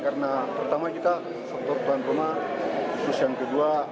karena pertama kita sempurna khusus yang kedua